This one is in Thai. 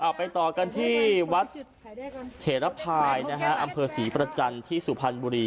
ไปต่อกันที่วัดเถระภายนะฮะอำเภอศรีประจันทร์ที่สุพรรณบุรี